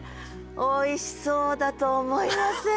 おいしそうだと思いません？